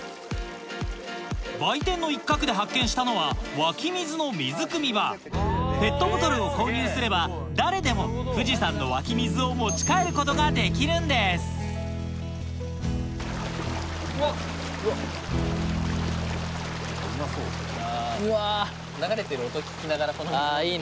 売店の一角で発見したのは湧き水の水くみ場ペットボトルを購入すれば誰でも富士山の湧き水を持ち帰ることができるんですあ。